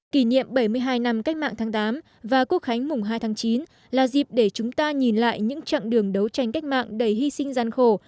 kỷ niệm bảy mươi hai năm cách mạng tháng tám và quốc khánh mùng hai tháng chín là dịp để chúng ta nhìn lại những chặng đường đấu tranh cách mạng đầy hy sinh gian khổ